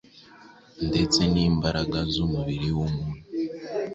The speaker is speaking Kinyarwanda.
ndetse n’imbaraga zumubiri wumuntu